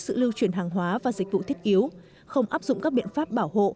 sự lưu chuyển hàng hóa và dịch vụ thiết yếu không áp dụng các biện pháp bảo hộ